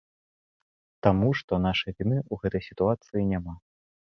Таму што нашай віны ў гэтай сітуацыі няма.